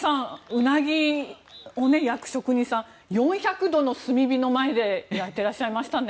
ウナギを焼く職人さん４００度の炭火の前で焼いていらっしゃいましたね。